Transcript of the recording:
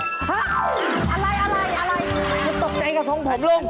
ไม่ตกใจกับผมลุง